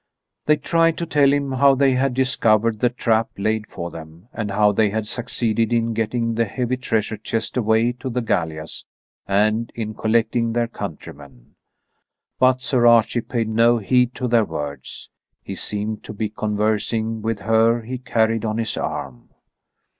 They tried to tell him how they had discovered the trap laid for them and how they had succeeded in getting the heavy treasure chest away to the gallias and in collecting their countrymen; but Sir Archie paid no heed to their words. He seemed to be conversing with her he carried on his arm.